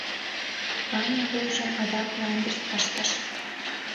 Ваня вуйжым адак мландыш пыштыш.